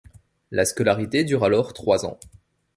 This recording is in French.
La scolarité dure alors trois ans.